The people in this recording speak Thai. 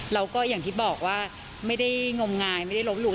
แล้วก็อย่างที่บอกว่าไม่ได้งมงายไม่ได้ลบหลู